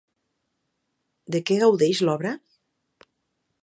De què gaudeix l'obra?